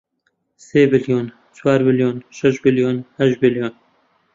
سێ بلیۆن، چوار بلیۆن، شەش بلیۆن، هەشت بلیۆن